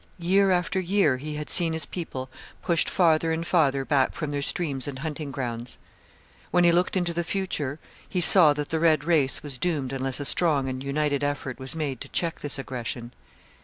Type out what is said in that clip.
Year after year he had seen his people pushed farther and farther back from their streams and hunting grounds. When he looked into the future, he saw that the red race was doomed unless a strong and united effort was made to check this aggression.